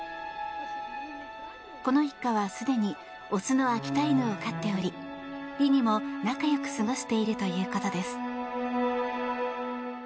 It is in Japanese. この一家は、すでにオスの秋田犬を飼っておりリニも仲良く過ごしているということです。